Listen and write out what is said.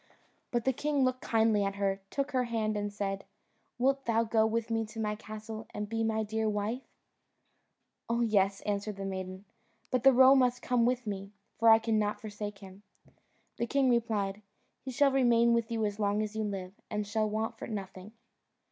But the king looked kindly at her, took her hand and said, "Wilt thou go with me to my castle, and be my dear wife?" "Oh yes," answered the maiden, "but the roe must come with me, for I cannot forsake him." The king replied, "He shall remain with you as long as you live, and shall want for nothing."